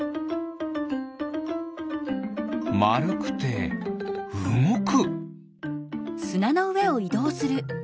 まるくてうごく。